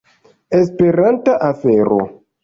Esperanta afero